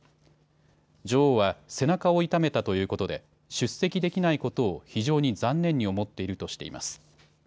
女王は背中を傷めたということで出席できないことを非常に残念に思っているとしています。